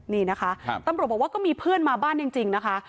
นี่นะคะตำรวจบอกว่าก็มีเพื่อนมาบ้านจริงนะคะ